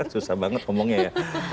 susah banget ngomongnya ya